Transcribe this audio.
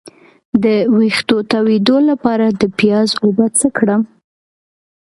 د ویښتو تویدو لپاره د پیاز اوبه څه کړم؟